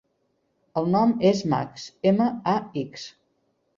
El nom és Max: ema, a, ics.